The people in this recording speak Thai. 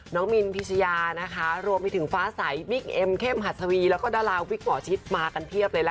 น้องมินพิชญาโรงมีถึงฟ้าไสวิกเอ็มเข้มหัสวีแล้วก็ดาราวิกหมอชิดมากันเพียบเลย